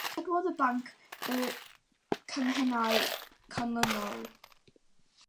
Cadwodd y banc y canghennau canlynol.